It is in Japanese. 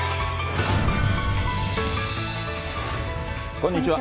こんにちは。